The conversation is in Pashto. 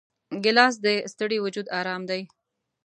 ګیلاس د ستړي وجود آرام دی.